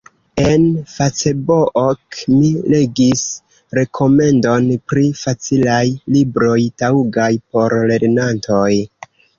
En Facebook mi legis rekomendon pri facilaj libroj taŭgaj por lernantoj.